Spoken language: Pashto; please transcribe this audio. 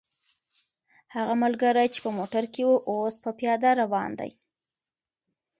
هغه ملګری چې په موټر کې و، اوس په پیاده روان دی.